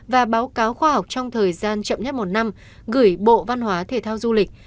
và báo cáo khoa học trong thời gian chậm nhất một năm gửi bộ văn hóa thể thao du lịch